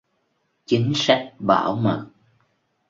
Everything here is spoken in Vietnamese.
Chính sách bảo mật